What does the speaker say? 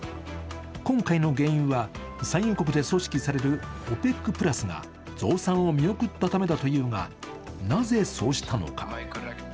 今回の原因は、産油国で組織されるＯＰＥＣプラスが増産を見送ったためだというが、なぜそうしたのか。